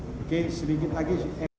oke sedikit lagi